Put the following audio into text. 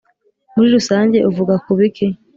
Muri rusange uvuga ku biki?